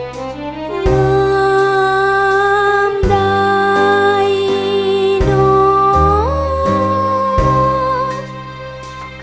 ใครโน้ท